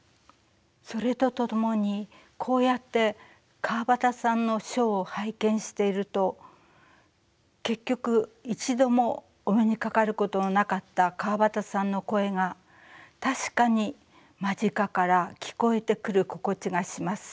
それとともにこうやって川端さんの書を拝見していると結局一度もお目にかかることのなかった川端さんの声が確かに間近から聞こえてくる心地がします。